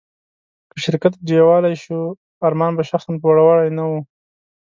که شرکت ډيوالي شو، ارمان به شخصاً پوروړی نه و.